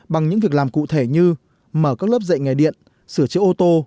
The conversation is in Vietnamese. bằng những việc làm cụ thể như mở các lớp dạy nghề điện sửa chữa ô tô